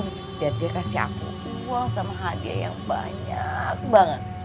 biar dia kasih aku dijual sama hadiah yang banyak banget